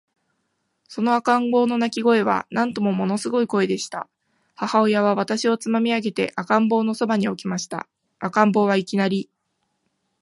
その赤ん坊の泣声は、なんとももの凄い声でした。母親は私をつまみ上げて、赤ん坊の傍に置きました。赤ん坊は、いきなり、